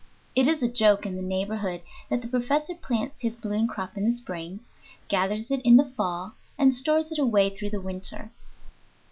It is a joke in the neighborhood that the professor plants his balloon crop in the spring, gathers it in the fall, and stores it away through the winter.